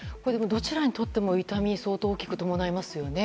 どちらにとっても痛みが相当大きく伴いますよね。